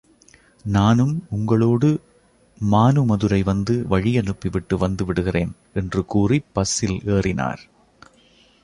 நானும் உங்களோடு மானுமதுரை வந்து, வழியனுப்பிவிட்டு வந்து விடுகிறேன் என்று கூறிப் பஸ்ஸில் ஏறினார்.